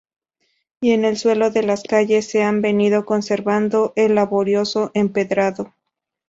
Y en el suelo de las calles se ha venido conservando el laborioso empedrado.